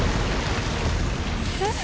えっ？